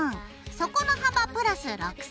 底の幅プラス６ｃｍ